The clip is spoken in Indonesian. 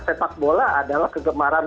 sepak bola adalah kegemaran